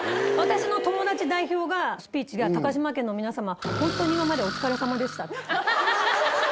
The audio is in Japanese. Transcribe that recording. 私の友達代表がスピーチで、高嶋家の皆様、本当に今までお疲れさまでしたって。